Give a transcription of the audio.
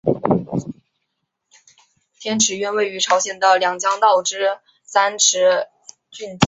天池院位于朝鲜的两江道之三池渊郡。